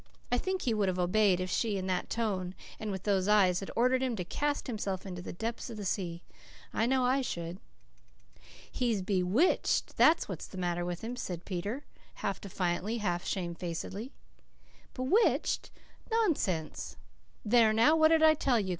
I think he would have obeyed if she, in that tone and with those eyes, had ordered him to cast himself into the depths of the sea. I know I should. "He's BEWITCHED that's what's the matter with him," said Peter, half defiantly, half shamefacedly. "Bewitched? Nonsense!" "There now, what did I tell you?"